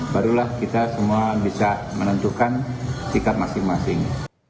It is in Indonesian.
barulah kita semua bisa menentukan sikap masing masing